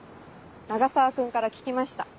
永沢君から聞きました。